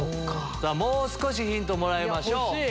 もう少しヒントをもらいましょう。